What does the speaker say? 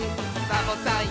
「サボさん